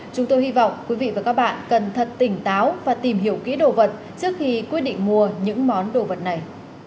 chúng tôi hy vọng quý vị và các bạn cần thật tỉnh táo và tìm hiểu kỹ đồ vật trước khi quyết định mua những món đồ vật này